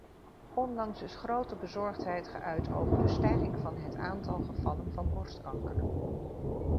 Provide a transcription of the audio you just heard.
Onlangs is grote bezorgdheid geuit over de stijging van het aantal gevallen van borstkanker.